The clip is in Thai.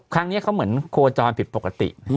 ครั้งนี้เค้าเหมือนโกรนปฏิปกติ